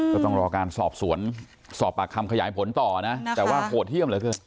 ก็ต้องรอการสอบสวนสอบปากคำขยายผลต่อนะแต่ว่าโหดเยี่ยมเหลือเกิน